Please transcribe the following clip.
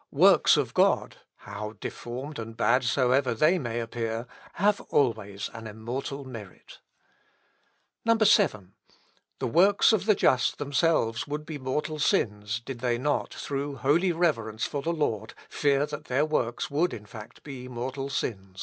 "Works of God, how deformed and bad soever they may appear, have always an immortal merit. 7. "The works of the just themselves would be mortal sins, did they not, through holy reverence for the Lord, fear that their works would in fact be mortal sins.